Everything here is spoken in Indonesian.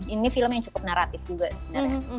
ini film yang cukup naratif juga sebenarnya